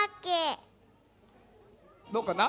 どうかな？